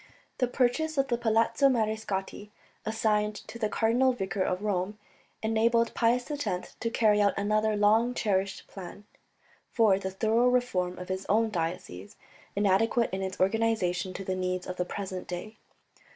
The purchase of the Palazzo Mariscotti, assigned to the Cardinal Vicar of Rome, enabled Pius X to carry out another long cherished plan, for the thorough reform of his own diocese, inadequate in its organization to the needs of the present day.